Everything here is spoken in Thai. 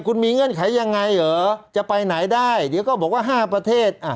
คุณมีเงื่อนไขยังไงเหรอจะไปไหนได้เดี๋ยวก็บอกว่า๕ประเทศ